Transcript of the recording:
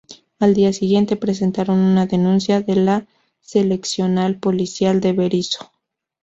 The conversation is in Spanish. Al día siguiente presentaron una denuncia en la seccional policial de Berisso.